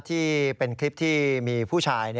ที่เป็นคลิปที่มีผู้ชาย